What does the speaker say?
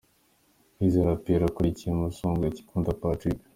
Kwizera Pierrot akurikiye Musombwa Kikunda Patrick.